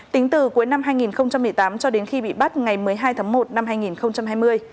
tính từ cuối năm hai nghìn một mươi tám cho đến khi bị bắt ngày một mươi hai tháng một năm hai nghìn hai mươi